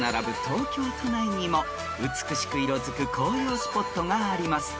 東京都内にも美しく色づく紅葉スポットがあります］